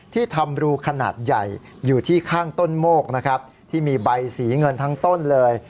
ทำรูขนาดใหญ่อยู่ที่ข้างต้นโมกนะครับที่มีใบสีเงินทั้งต้นเลย